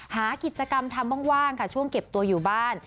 หากิจกรรมทำว่างค่ะช่วงเก็บตัวอยู่บ้าน